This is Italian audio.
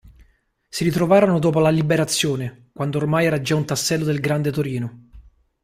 Si ritrovarono dopo la Liberazione, quando ormai era già un tassello del Grande Torino.